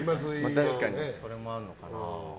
確かにそれもあるのかな。